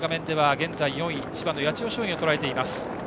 現在４位の千葉の八千代松陰をとらえています。